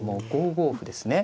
５五歩ですね。